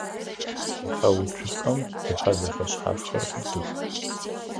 Къухьэуцупӏэм къухьэ зэфэшъхьафхэр ӏутых.